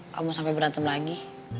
kamu sampe berantem lagi